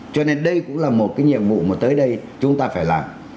cho nên đây cũng là một cái nhiệm vụ mà tới đây chúng ta phải làm